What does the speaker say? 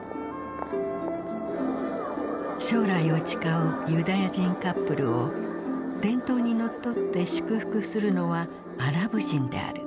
将来を誓うユダヤ人カップルを伝統にのっとって祝福するのはアラブ人である。